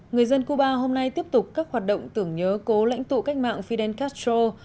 người dân cuba hôm nay tiếp tục các hoạt động tưởng nhớ cố lãnh tụ cách mạng fidel castro